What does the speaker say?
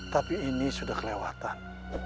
tapi ini sudah kelewatan